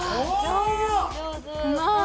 うまい。